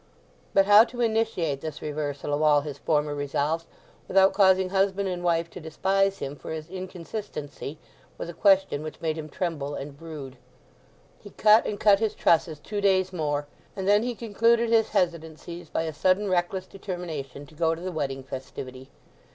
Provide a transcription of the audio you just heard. But how to initiate this reversal of all his former resolves without causing husband and wife to despise him for his inconsistency was a question which made him tremble and brood. He cut and cut his trusses two days more, and then he concluded his hesitancies by a sudden reckless determination to go to the wedding festivity.